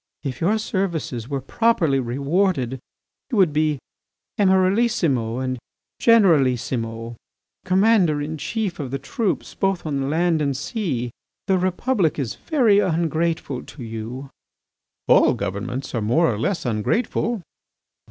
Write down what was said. If your services were properly rewarded, you would be Emiralissimo and Generalissimo, Commander in chief of the troops both on land and sea. The Republic is very ungrateful to you." "All governments are more or less ungrateful."